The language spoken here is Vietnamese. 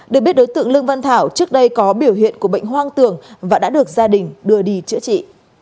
được biết đối tượng lương văn thảo trước đây có biểu hiện của bệnh hoang tường và đã được gia đình đưa đi chữa trị